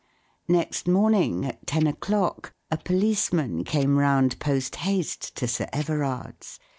Next morning, at ten o'clock, a police¬ man came round, post haste, to Sir Everard's.